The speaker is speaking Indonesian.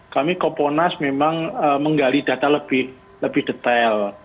kami komponas memang menggali data lebih detail